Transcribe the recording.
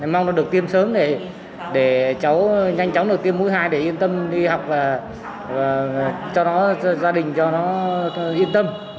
mong nó được tiêm sớm để cháu nhanh chóng được tiêm mũi hai để yên tâm đi học và cho nó gia đình cho nó yên tâm